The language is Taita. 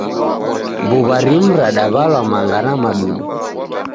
Mbuw'a rimu radaw'alwa manga na maduma.